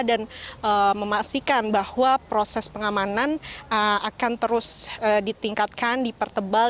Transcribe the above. dan memastikan bahwa proses pengamanan akan terus ditingkatkan dipertebal